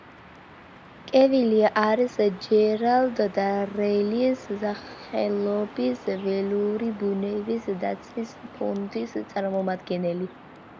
კევილი არის ჯერალდ დარელის სახელობის ველური ბუნების დაცვის ფონდის წარმომადგენელი.